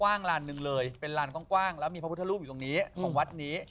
ลานหนึ่งเลยเป็นลานกว้างแล้วมีพระพุทธรูปอยู่ตรงนี้ของวัดนี้